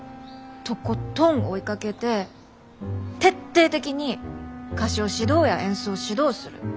とことん追いかけて徹底的に歌唱指導や演奏指導する。